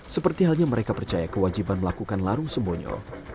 seperti halnya mereka percaya kewajiban melakukan larung sembonyo